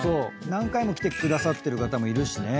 何回も来てくださってる方もいるしね。